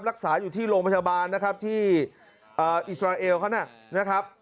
รักษาอยู่ที่โรงพยาบาลนะครับที่อิสราเอลเขานะครับ